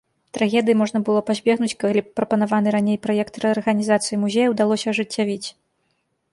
Трагедыі можна было пазбегнуць, калі б прапанаваны раней праект рэарганізацыі музея ўдалося ажыццявіць.